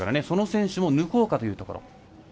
その選手も抜こうかというところ。